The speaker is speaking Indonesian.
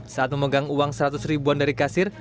saat memegang uang seratus ribuan dari kasir